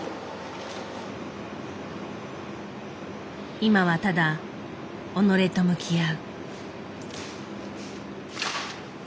今はただ己と向き合う。